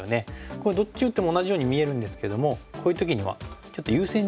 これどっち打っても同じように見えるんですけどもこういう時にはちょっと優先順位がありまして。